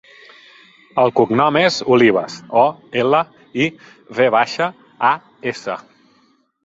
El cognom és Olivas: o, ela, i, ve baixa, a, essa.